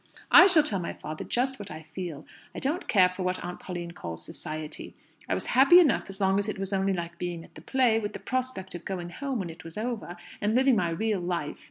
I shall tell my father just what I feel. I don't care for what Aunt Pauline calls Society. I was happy enough as long as it was only like being at the play, with the prospect of going home when it was over, and living my real life.